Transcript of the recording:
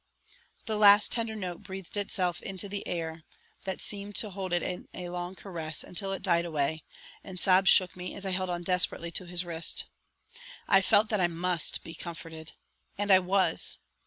The last tender note breathed itself into the air that seemed to hold it in a long caress until it died away, and sobs shook me as I held on desperately to his wrist. I felt that I must be comforted. And I was!